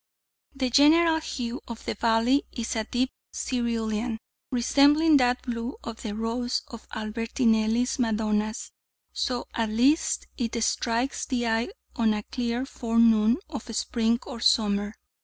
The general hue of the vale is a deep cerulean, resembling that blue of the robes of Albertinelli's Madonnas; so, at least, it strikes the eye on a clear forenoon of spring or summer.